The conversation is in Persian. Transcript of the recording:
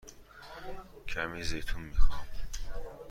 کمی زیتون می خواهم.